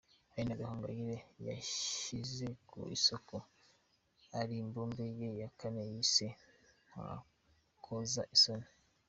Aline Gahongayire yashyize ku isoko Arimbumu ye ya kane yise "Ntankoza Isoni"